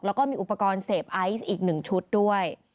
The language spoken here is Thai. แล้วก็มีอุปกรณ์เสพไอซ์อีก๑ชุดด้วย